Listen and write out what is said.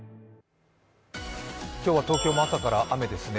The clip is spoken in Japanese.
今日は東京も朝から雨ですね。